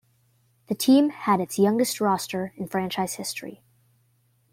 The team had its youngest roster in franchise history.